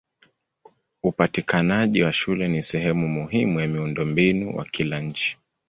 Upatikanaji wa shule ni sehemu muhimu ya miundombinu wa kila nchi.